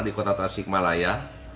di kota tasikmalaya